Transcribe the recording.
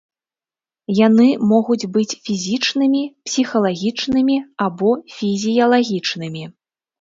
Яны могуць быць фізічнымі, псіхалагічнымі або фізіялагічнымі.